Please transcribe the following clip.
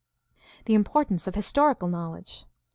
The importance of historical knowledge.